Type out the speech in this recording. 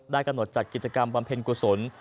กำหนดจัดกิจกรรมบำเพ็ญกุศล